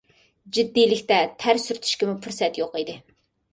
جىددىيلىكتە تەر سۈرتۈشكىمۇ پۇرسەت يوق ئىدى.